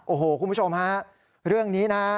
โอ้โหคุณผู้ชมฮะเรื่องนี้นะฮะ